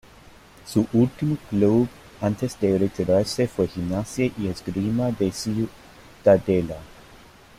Su último club antes de retirarse fue Gimnasia y Esgrima de Ciudadela.